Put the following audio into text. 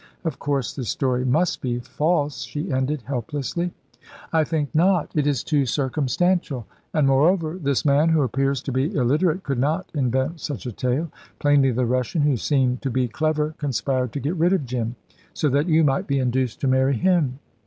Of course, this story must be false," she ended, helplessly. "I think not it is too circumstantial. And moreover, this man, who appears to be illiterate, could not invent such a tale. Plainly the Russian, who seemed to be clever, conspired to get rid of Jim, so that you might be induced to marry him."